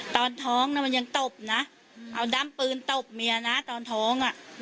ตอนท้องน่ะมันยังตบนะเอาด้ำปืนตบเมียนะตอนท้องอ่ะ